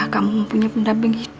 korang selamat banget